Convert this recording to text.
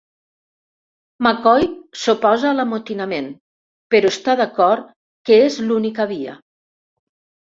McCoy s'oposa a l'amotinament, però està d'acord que és l'única via.